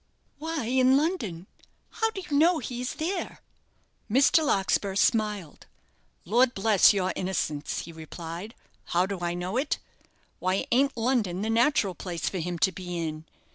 "Why in London? How do you know he's there?" Mr. Larkspur smiled. "Lord bless your innocence!" he replied. "How do I know it? Why, ain't London the natural place for him to be in?